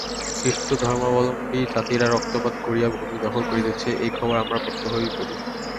খ্রীষ্টধর্মাবলম্বী জাতিরা রক্তপাত করিয়া ভূমি দখল করিতেছে, এই খবর আমরা প্রত্যহই পড়ি।